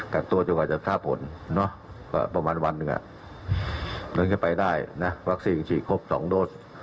กักตัวจนกว่าจะทราบผลประมาณวันหนึ่งเราจะไปได้นะวัคซีนฉีดครบ๒โดส